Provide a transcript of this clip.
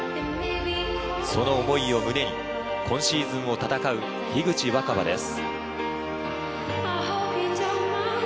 その思いを胸に今シーズンを戦う口新葉です。